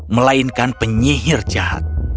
melainkan penyihir jahat